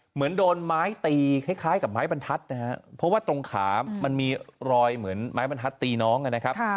เหมือนโดนไม้ตีคล้ายกับไม้บรรทัศน์นะครับเพราะว่าตรงขามันมีรอยเหมือนไม้บรรทัดตีน้องนะครับ